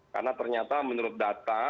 karena ternyata menurut data